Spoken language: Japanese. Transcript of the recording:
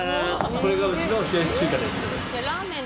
これがうちの冷やし中華です。